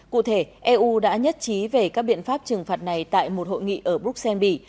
cụ thể eu đã nhất trí về các biện pháp trừng phạt này tại một hội nghị ở bruxelles bỉ